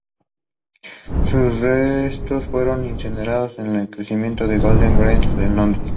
Sus restos fueron incinerados en el Crematorio de Golders Green en Londres.